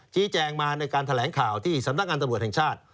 ชี้แจงมาในการแถลงข่าวที่สำนักงานตำรวจแห่งชาติ